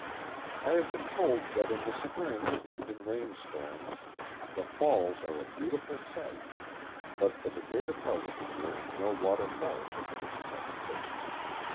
I have been told that in tlie spring, and in rainstorms, the falls arc » beautiful sight; but for the greater part of the year no water falls over this precipice.